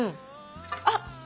あっ。